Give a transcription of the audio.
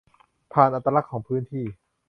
ผ่านอัตลักษณ์ของพื้นที่